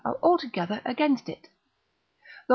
are altogether against it. Lod.